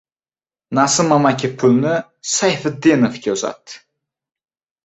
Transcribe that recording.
— Nasim amaki pulni Sayfiddinovga uzatdi.